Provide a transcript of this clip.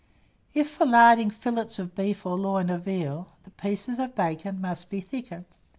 If for larding fillets of beef or loin of veal, the pieces of bacon must be thicker.